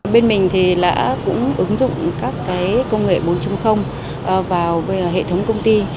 bên mình thì đã cũng ứng dụng các công nghệ bốn vào hệ thống công ty